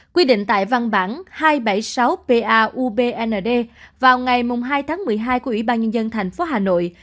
quy định tại văn bản hai trăm bảy mươi sáu paubnd vào ngày hai tháng một mươi hai của ủy ban nhân dân thành phố hà nội